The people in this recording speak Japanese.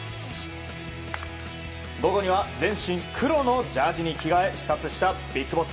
午後には全身黒のジャージに着替え、視察したビッグボス。